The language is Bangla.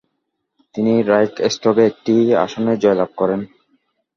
তিনি রাইখস্ট্যাগে একটি আসনে জয়লাভ করেন।